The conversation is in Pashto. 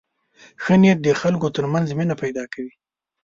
ښه نیت د خلکو تر منځ مینه پیدا کوي.